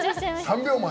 ３秒前！